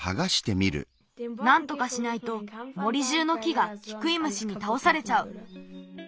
なんとかしないと森じゅうの木がキクイムシにたおされちゃう。